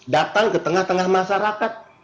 datang ke tengah tengah masyarakat